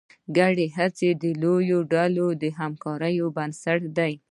ګډه هڅه د لویو ډلو د همکارۍ بنسټ دی.